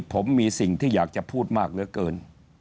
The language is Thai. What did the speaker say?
ผมมีสิ่งที่อยากจะพูดมากเหลือเกิน